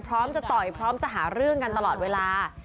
พร้อมจะต่อยพร้อมจะหาเรื่องกันตลอดเวลา